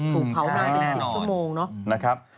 ถูกเผาแน่๑๐ชั่วโมงนะครับ